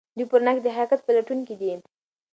دی په رڼا کې د حقیقت پلټونکی دی.